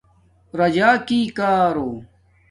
راجاکی کارو